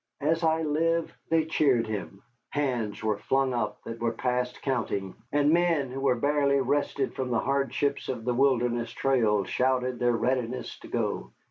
As I live, they cheered him. Hands were flung up that were past counting, and men who were barely rested from the hardships of the Wilderness Trail shouted their readiness to go.